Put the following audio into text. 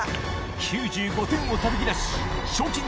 ９５点をたたき出し賞金